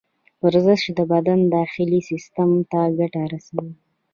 ورزش د بدن داخلي سیستم ته ګټه رسوي.